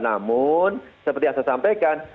namun seperti yang saya sampaikan